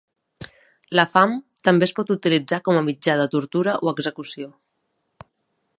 La fam també es pot utilitzar com a mitjà de tortura o execució.